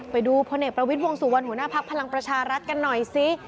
พลเอกประวิทย์วงสุวรรณหัวหน้าภักดิ์พลังประชารัฐกันหน่อยสิ